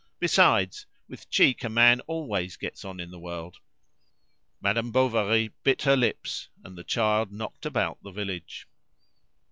Besides, with cheek a man always gets on in the world." Madame Bovary bit her lips, and the child knocked about the village.